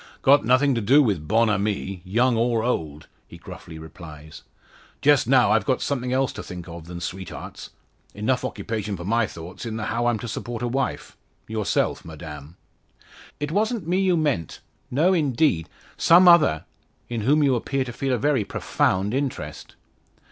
"Got nothing to do with bonnes amies, young or old," he gruffly replies. "Just now I've got something else to think of than sweethearts. Enough occupation for my thoughts in the how I'm to support a wife yourself, madame." "It wasn't me you meant. No, indeed. Some other, in whom you appear to feel a very profound interest."